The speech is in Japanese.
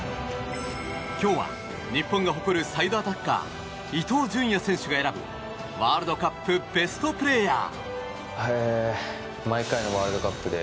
今日は日本が誇るサイドアタッカー伊東純也選手が選ぶワールドカップベストプレーヤー。